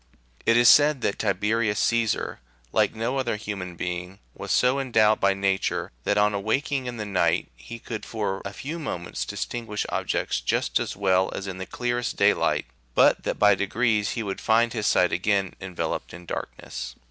It is said that Tiberius Caesar, like no other human being, was so endowed by Nature, that on awaking in the night95 he could for a few moments distinguish objects just as well as in the clearest daylight, but that by degrees he would find his sight again enveloped in darkness.